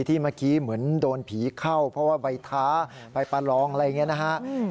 เมื่อกี้เหมือนโดนผีเข้าเพราะว่าใบท้าใบประลองอะไรอย่างนี้นะฮะ